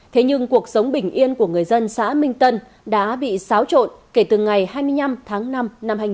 thế nhưng cuộc sống bình yên của người dân xã minh tân đã bị xáo trộn kể từ ngày hai mươi năm tháng năm năm hai nghìn một mươi ba